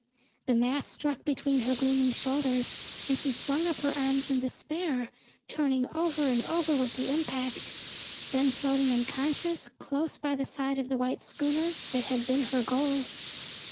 The mass struck between her gleaming shoulders, and she flung up her arms in despair, turning over and over with the impact, then floating unconscious close by the side of the white schooner that had been her goal.